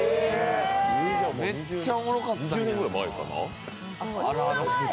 めっちゃおもろかったけど。